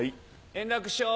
円楽師匠！